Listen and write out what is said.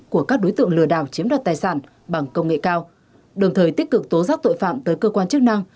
của các đối tượng lừa đảo chiếm đoạt tài sản bằng công nghệ cao đồng thời tích cực tố giác tội phạm tới cơ quan chức năng